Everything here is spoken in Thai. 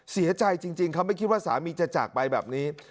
เสียใจจริงเขาไม่คิดว่าสามีจะจากไปแบบนี้